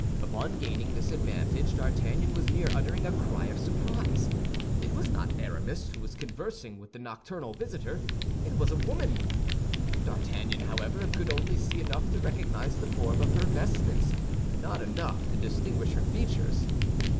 Upon gaining this advantage D'Artagnan was near uttering a cry of surprise; it was not Aramis who was conversing with the nocturnal visitor, it was a woman! D'Artagnan, however, could only see enough to recognize the form of her vestments, not enough to distinguish her features.